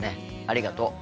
ありがとう。